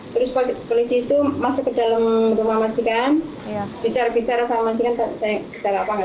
terus polisi itu masuk ke dalam rumah masikan ya bicara bicara sama dengan saya saya nggak